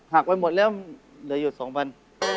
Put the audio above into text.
หักไปหมดแล้วเดี๋ยวหยุด๒๐๐๐บาท